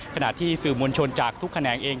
ขณะที่สื่อมวลชนจากทุกแขนงเอง